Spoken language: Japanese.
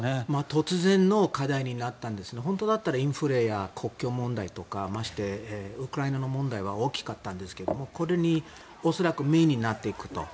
突然の課題になったんですが本当ならインフレとか国境問題とかましてウクライナの問題は大きかったんですが恐らくメインになっていくと。